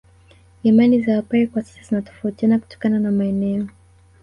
Imani za Wapare kwa sasa zinatofautiana kutokana na maeneo